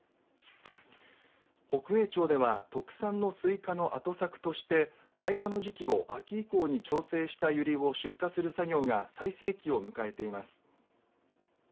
北栄町では特産のスイカの後作として開花の時期を秋以降に調整したユリを出荷する作業が最盛期を迎えています。